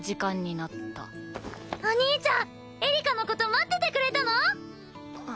お兄ちゃんエリカの事待っててくれたの！？